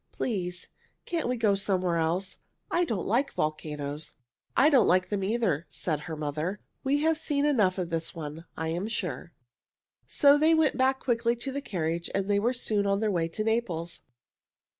"Please can't we go somewhere else? I don't like volcanoes." "I don't like them either," said her mother. "We have seen enough of this one, I am sure." So they went back quickly to the carriage and were soon on their way to Naples.